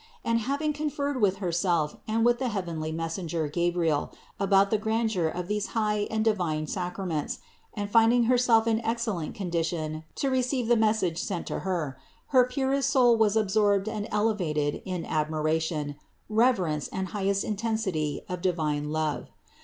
And hav ing conferred with Herself and with the heavenly mes senger Gabriel about the grandeur of these high and divine sacraments, and finding Herself in excellent con dition to receive the message sent to Her, her purest soul was absorbed and elevated in admiration, reverence and highest intensity of divine love.